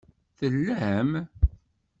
Tellam?